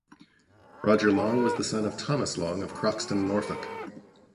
Roger Long was the son of Thomas Long of Croxton, Norfolk.